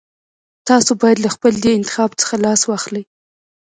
تاسو بايد له خپل دې انتخاب څخه لاس واخلئ.